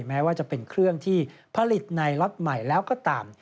แม้ว่าจะเป็นเครื่องที่ผลิตในล็อตใหม่แล้วก็ตาม